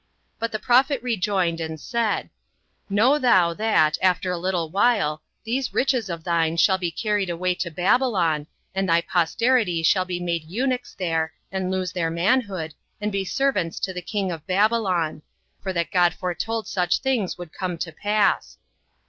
But the prophet rejoined, and said, "Know thou, that, after a little while, these riches of thine shall be carried away to Babylon, and thy posterity shall be made eunuchs there, and lose their manhood, and be servants to the king of Babylon; for that God foretold such things would come to pass."